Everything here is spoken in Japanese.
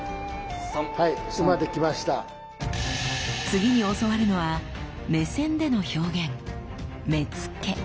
次に教わるのは目線での表現